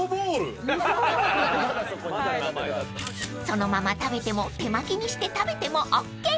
［そのまま食べても手巻きにして食べてもＯＫ］